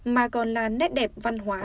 mà còn là nét đẹp văn hóa